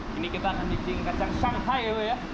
kini kita akan diting kacang shanghai ya